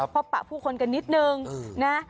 ปะผู้คนกันนิดนึงนะ